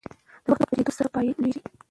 د وخت په تیریدو سره پایلې لویېږي.